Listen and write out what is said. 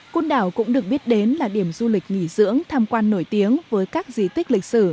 côn đảo cũng được biết đến là điểm du lịch nghỉ dưỡng tham quan nổi tiếng với các di tích lịch sử